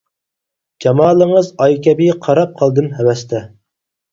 جامالىڭىز ئاي كەبى قاراپ قالدىم ھەۋەستە.